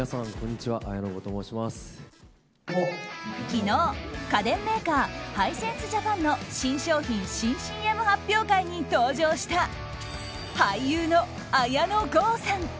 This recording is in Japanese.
昨日、家電メーカーハイセンスジャパンの新商品・新ＣＭ発表会に登場した俳優の綾野剛さん。